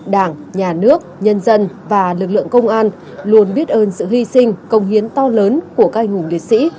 đảng nhà nước nhân dân và lực lượng công an luôn biết ơn sự hy sinh công hiến to lớn của các anh hùng liệt sĩ